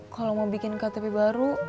kalau mau bikin ktp baru